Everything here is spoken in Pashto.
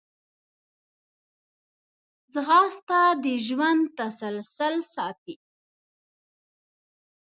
ځغاسته د ژوند تسلسل ساتي